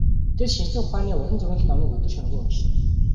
Тэр шинжлэх ухааны уран зөгнөлт номыг өдөр шөнөгүй уншина.